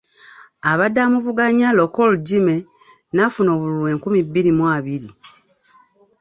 Abadde amuvuganya Lokor Jimmy n'afuna obululu enkumi bibiri mu abiri.